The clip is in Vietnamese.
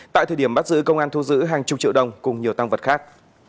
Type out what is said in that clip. tại thời điểm bắt giữ công an thu giữ hàng chục triệu đồng cùng nhiều tăng vật khác